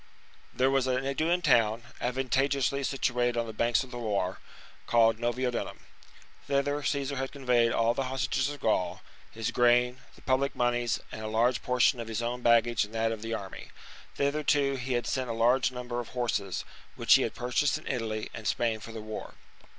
There was an Aeduan town, advantageously situated on the banks of the Loire, called Novio [Nevers.] dunum. Thither Caesar had conveyed all the hostages of Gaul, his grain, the public monies, and a large portion of his own baggage and that of the army : thither, too, he had sent a large number of horses, which he had purchased in Italy and Spain for the war.